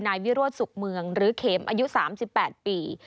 นายวิโรธสุขเมืองหรือเข็มอายุ๓๘ปี